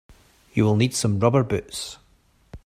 You will need some rubber boots.